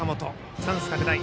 チャンス拡大。